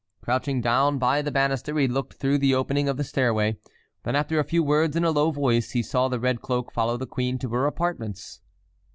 Crouching down by the banister he looked through the opening of the stairway. Then after a few words in a low voice he saw the red cloak follow the queen to her apartments.